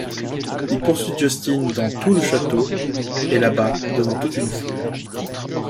Il poursuit Justin dans tout le château et l'abat devant toute une foule.